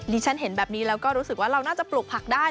ฉันเห็นแบบนี้แล้วก็รู้สึกว่าเราน่าจะปลูกผักได้